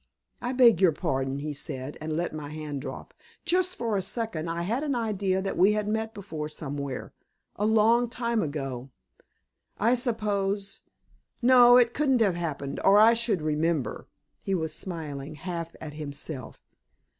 "I beg your pardon," he said, and let my hand drop. "Just for a second I had an idea that we had met before somewhere, a long time ago. I suppose no, it couldn't have happened, or I should remember." He was smiling, half at himself.